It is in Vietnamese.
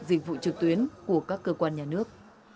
dịch vụ trực tuyến của các cơ quan nhà nước